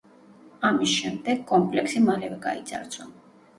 ამის შემდეგ, კომპლექსი მალევე გაიძარცვა.